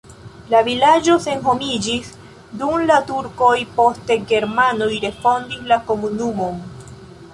La vilaĝo senhomiĝis dum la turkoj, poste germanoj refondis la komunumon.